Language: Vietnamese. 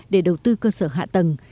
để đầu tư cơ sở hạ tầng